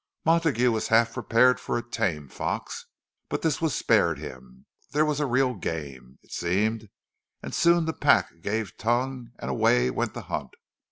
Montague was half prepared for a tame fox, but this was spared him. There was a real game, it seemed; and soon the pack gave tongue, and away went the hunt.